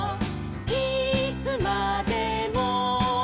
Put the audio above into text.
いつまでも」